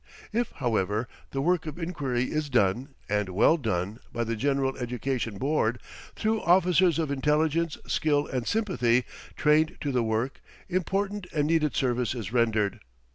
If, however, this work of inquiry is done, and well done, by the General Education Board, through officers of intelligence, skill, and sympathy, trained to the work, important and needed service is rendered.